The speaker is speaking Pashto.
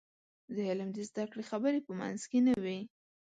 د علم د زده کړې خبرې په منځ کې نه وي.